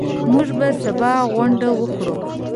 موږ به سبا غونډه وکړو.